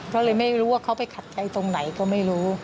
ก็เลยไม่รู้ว่าเขาไปขัดใจตรงไหนก็ไม่รู้